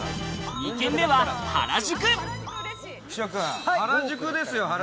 ２軒目は原宿。